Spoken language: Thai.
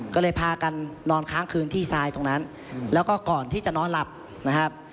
ก็เลยพากันนอนค้างคืนที่ทรายตรงนั้นแล้วก็ก่อนที่จะนอนหลับนะครับ